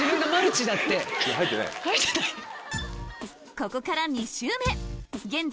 ここから２周目現在